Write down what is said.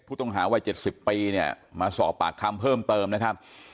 ผู้ต้องหาวัย๗๐ปีเนี่ยมาสอบปากคำเพิ่มเติมนะครับ